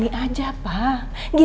sampai jumpa lagi